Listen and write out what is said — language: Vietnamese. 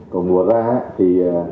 còn vừa ra thì